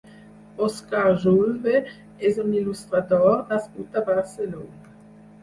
Òscar Julve és un il·lustrador nascut a Barcelona.